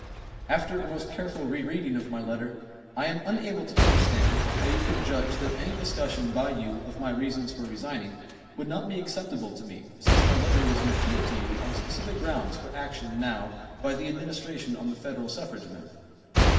After a most careful re reading of my letter, I am unable to understand how you could judge that any discussion by you of my reasons for resigning would not be acceptable to me since my letter was an appeal to you on specific grounds for action now by the Administration on the Federal Suffrage amendment.